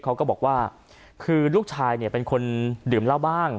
เขาก็บอกว่าคือลูกชายเนี่ยเป็นคนดื่มเหล้าบ้าง